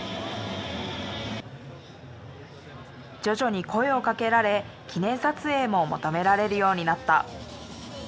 徐々に声をかけられ記念撮影も求められるようになった。